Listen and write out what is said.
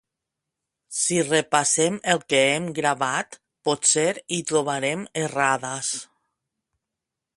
Si repassem el que hem gravat potser hi trobarem errades.